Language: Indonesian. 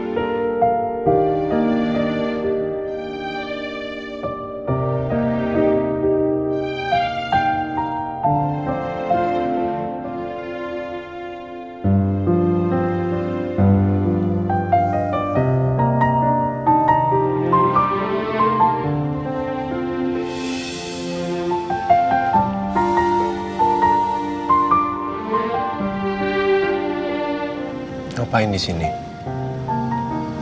sama menang dia